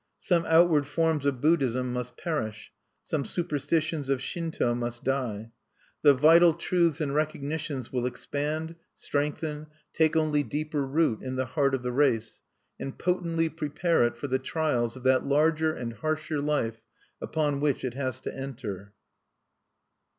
Some outward forms of Buddhism must perish; some superstitions of Shinto must die. The vital truths and recognitions will expand, strengthen, take only deeper root in the heart of the race, and potently prepare it for the trials of that larger and harsher life upon which it has to enter.